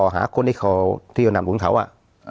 หาคนที่เขาที่จะนำกลุ่มเขาอ่ะ